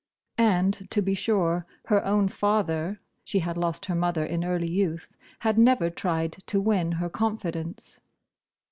And, to be sure, her own father—she had lost her mother in early youth—had never tried to win her confidence.